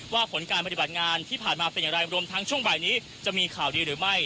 ผลการปฏิบัติงานที่ผ่านมาเป็นอย่างไรรวมทั้งช่วงบ่ายนี้จะมีข่าวดีหรือไม่